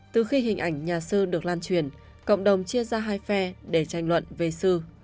từ khi hình ảnh nhà sư được lan truyền cộng đồng chia ra hai phe để tranh luận về sư